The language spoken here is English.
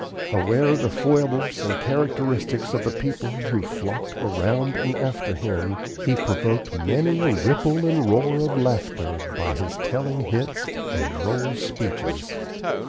Aware of the foibles and characteristics of the people who flocked around and after him, he provoked many a ripple and roar of laughter by his telling hits and droll speeches.